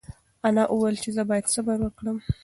انا وویل چې زه باید صبر وکړم.